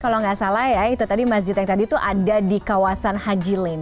kalau nggak salah ya itu tadi masjid yang tadi tuh ada di kawasan hajilin